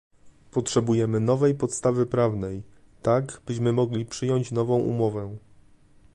Potrzebujemy nowej podstawy prawnej, tak byśmy mogli przyjąć nową umowę